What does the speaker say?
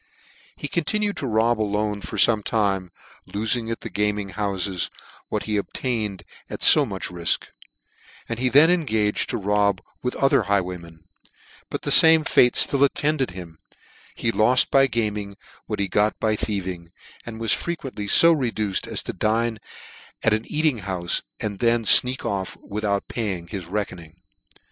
He continued to rob alone for fome time, lofing at the gaming houfes what he obtained at fo much ri(k , and he then engaged to rob with other highwaymen ; but the fame fate ftill attended him : he loft by gaming, what he got by thiev ing, and was frequently fo reduced as to dine at an eating houfe, and then fneak off without paying his reckoning.